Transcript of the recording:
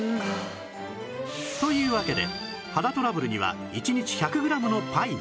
というわけで肌トラブルには１日１００グラムのパイン